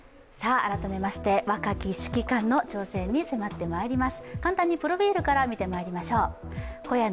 改めまして、若き指揮官の挑戦に迫ってまいります。